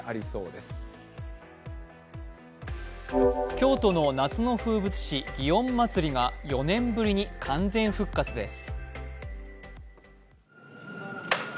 京都の夏の風物詩祇園祭が４年ぶりに完全復活です。